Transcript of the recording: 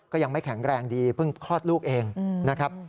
ก็ยังไม่แข็งแรงดีเพิ่งคลอดลูกเองนะครับ